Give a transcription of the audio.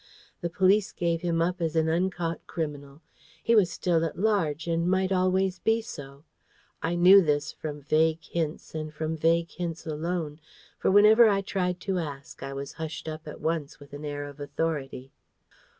The police gave him up as an uncaught criminal. He was still at large, and might always be so. I knew this from vague hints and from vague hints alone; for whenever I tried to ask, I was hushed up at once with an air of authority.